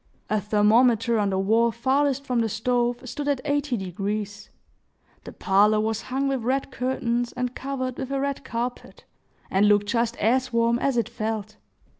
A thermometer on the wall farthest from the stove stood at eighty degrees. The parlor was hung with red curtains, and covered with a red carpet, and looked just as warm as it felt.